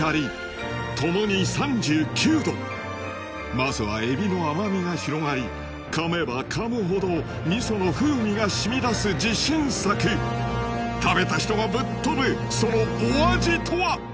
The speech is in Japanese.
まずは海老の甘みが広がり噛めば噛むほど味噌の風味が染み出す自信作食べた人がぶっ飛ぶそのお味とは？